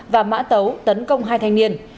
và mã tấu tấn công hai thanh niên